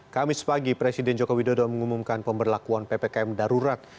kamis pagi presiden joko widodo mengumumkan pemberlakuan ppkm darurat